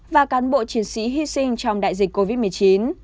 và cán bộ chiến sĩ hy sinh trong đại dịch covid một mươi chín